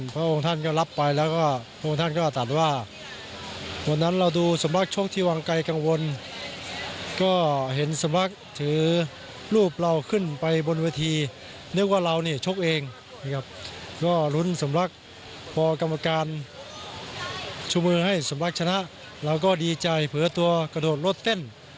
พอกรรมการชมือให้สมรักษ์ชนะเราก็ดีใจเผลอตัวกระโดดรถเต้น